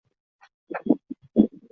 去摘一株最大最金黄的麦穗